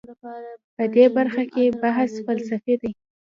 په دې برخه کې بحث فلسفي دی.